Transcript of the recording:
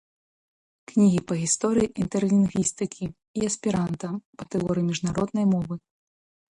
кнігі па гісторыі інтэрлінгвістыкі і эсперанта, па тэорыі міжнароднай мовы